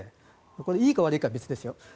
これ、いいか悪いかは別ですよ。